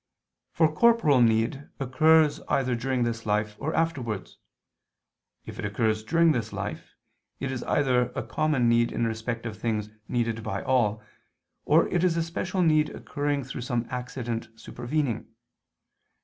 For corporal need occurs either during this life or afterwards. If it occurs during this life, it is either a common need in respect of things needed by all, or it is a special need occurring through some accident supervening.